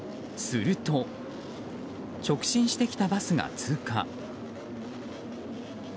すると、直進してきたバスが通過。